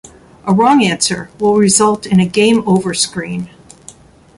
A wrong answer will result in a game over screen.